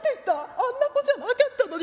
あんな子じゃなかったのに。